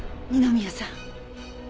二宮さん。